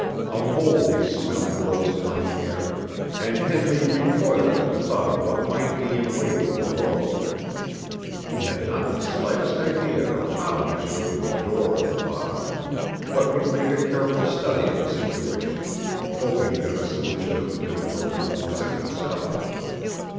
A mouldy smell rose upon the air, and Henley recoiled at the thought of what might be in waiting below. He had not the slightest idea of how he should open the door at the bottom, but would make a careful study of the situation, hoping that a solution of the difficulty would present itself.